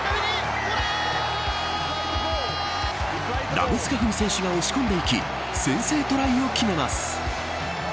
ラブスカフニ選手が押し込んでいき先制トライを決めます。